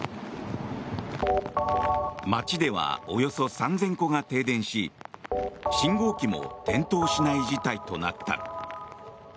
町ではおよそ３０００戸が停電し信号機も点灯しない事態となった。